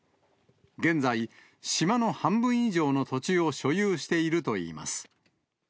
現在、島の半分以上の土地を所有しているといいます。